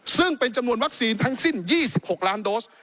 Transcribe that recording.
ซึ่งเป็นจำนวนวัคซีนทั้งสิ้น๒๖ล้านโดส